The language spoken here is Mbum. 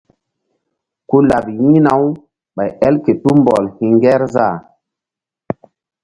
Ku laɓ yi̧hna-u ɓay el ke tumbɔl hi̧ŋgerzah.